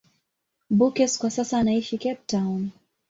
Beukes kwa sasa anaishi Cape Town.